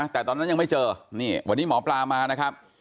แต่ตอนนั้นยังไม่เจอนี่วันนี้หมอปลามานะครับ